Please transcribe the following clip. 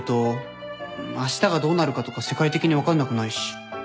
あしたがどうなるかとか世界的に分かんなくないし。